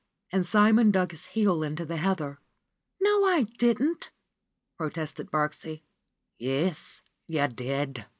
And Simon dug his heel into the heather. "No, I didn't!" protested Birksie. "Yes, you did."